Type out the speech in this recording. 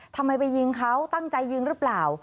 ทำไมไปยิงเขาตั้งใจยิงหรือเปล่า